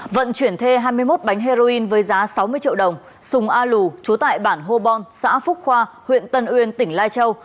vận chuyển thuê hai mươi một bánh heroin với giá sáu mươi triệu đồng sùng a lù chú tại bản hô bon xã phúc khoa huyện tân uyên tỉnh lai châu